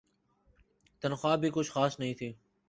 تنخواہ بھی کچھ خاص نہیں تھی ۔